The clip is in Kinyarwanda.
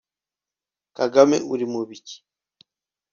kagame uli mubiki